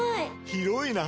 広いな！